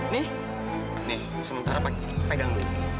nih nih sementara pegang dulu